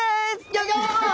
ギョギョッ！